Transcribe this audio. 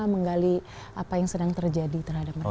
menggali apa yang sedang terjadi terhadap mereka